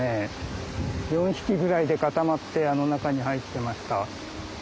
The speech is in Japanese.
４匹ぐらいで固まってあの中に入ってました。